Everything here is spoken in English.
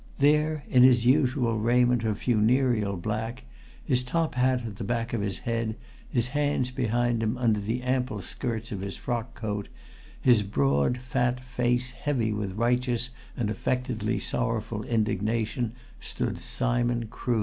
There, in his usual raiment of funereal black, his top hat at the back of his head, his hands behind him under the ample skirts of his frock coat, his broad, fat face heavy with righteous and affectedly sorrowful indignation, stood Simon Crood.